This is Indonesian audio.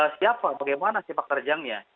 siapa bagaimana sifat kerjaannya